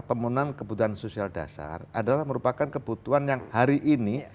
pemenuhan kebutuhan sosial dasar adalah merupakan kebutuhan yang hari ini